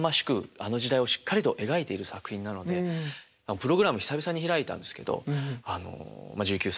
あの時代をしっかりと描いている作品なのでプログラム久々に開いたんですけどあのまあ１９歳ねえ。